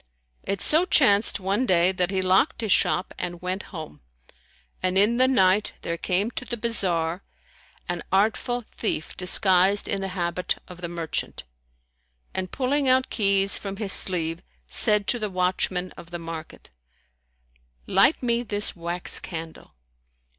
It so chanced one day that he locked his shop and went home, and in the night there came to the bazar an artful thief disguised in the habit of the merchant, and pulling out keys from his sleeve, said to the watchman of the market, "Light me this wax candle."